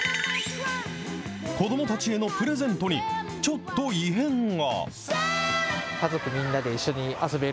子どもたちへのプレゼントに、ちょっと異変が。